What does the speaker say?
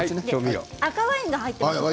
赤ワインが入っています。